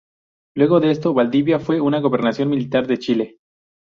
Luego de esto, Valdivia fue una gobernación militar de Chile.